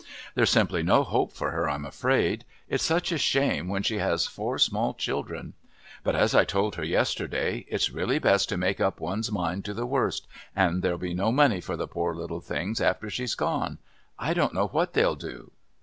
There's simply no hope for her, I'm afraid; it's such a shame when she has four small children; but as I told her yesterday, it's really best to make up one's mind to the worst, and there'll be no money for the poor little things after she's gone. I don't know what they'll do."